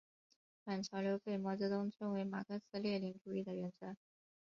反潮流被毛泽东称为马克思列宁主义的原则。